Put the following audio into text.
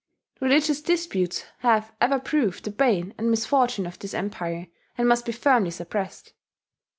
Religious disputes have ever proved the bane and misfortune of this Empire, and must be firmly, suppressed."